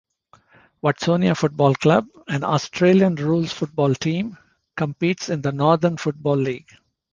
Watsonia Football Club, an Australian Rules football team, competes in the Northern Football League.